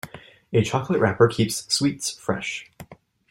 A chocolate wrapper keeps sweets fresh.